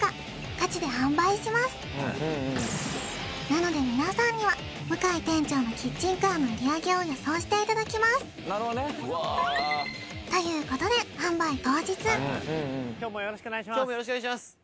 ガチで販売しますなので皆さんには向井店長のキッチンカーの売上を予想していただきますということで販売当日今日もよろしくお願いします